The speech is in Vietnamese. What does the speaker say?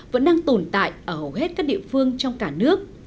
vẫn đang tồn tại ở hầu hết các địa phương trong cả nước